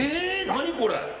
何これ？